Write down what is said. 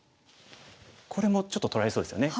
これもちょっと取られそうですよね。